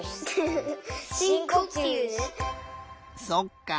そっか。